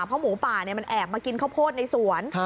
เพราะหมูป่ามันแอบมากินข้าวโพดในสวน